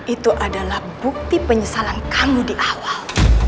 itu adalah bukti penyesalan kamu di awal